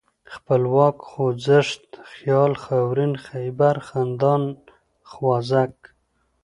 خپلواک ، خوځښت ، خيال ، خاورين ، خيبر ، خندان ، خوازک